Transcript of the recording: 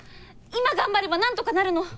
今頑張ればなんとかなるの！